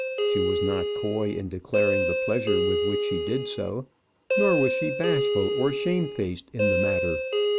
She was not coy in declaring the pleasure with which she did so, nor was she bashful or shamefaced in the matter.